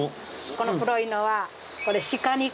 この黒いのはこれ。